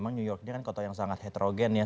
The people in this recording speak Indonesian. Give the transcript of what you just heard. memang new york ini kan kota yang sangat heterogen ya